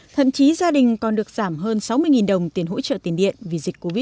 thậm chí gia đình còn được giảm hơn sáu mươi đồng tiền hỗ trợ tiền điện vì dịch covid một mươi chín